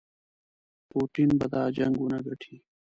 پوټین به دا جنګ ونه ګټي.